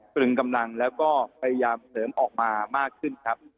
ตรึงกำลังแล้วก็พยายามเสริมออกมามากขึ้นครับ